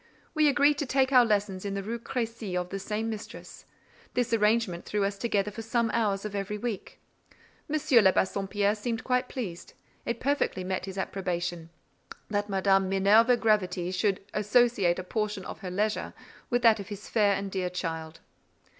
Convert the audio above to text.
We agreed to take our lessons in the Rue Crécy of the same mistress; this arrangement threw us together for some hours of every week. M. de Bassompierre seemed quite pleased: it perfectly met his approbation, that Madame Minerva Gravity should associate a portion of her leisure with that of his fair and dear child.